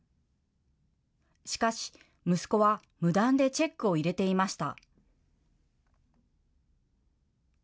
しかし、息子は無断でチェックを入れていました。